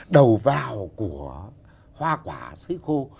đầu vào của hoa quả xấy khô